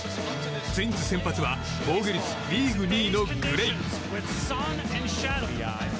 ツインズ先発は防御率リーグ２位のグレイ。